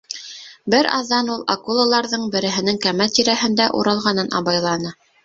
Бер аҙҙан ул акулаларҙың береһенең кәмә тирәһендә уралғанын абайланы.